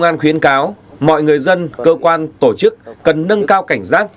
cơ quan khuyến cáo mọi người dân cơ quan tổ chức cần nâng cao cảnh giác